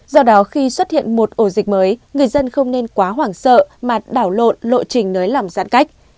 do đó khi xuất hiện một ổ dịch mới người dân không nên quá hoảng sợ mà đảo lộn lộ trình nới lỏng giãn cách